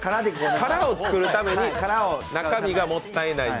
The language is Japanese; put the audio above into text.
殻を作るために、中身がもったいないと。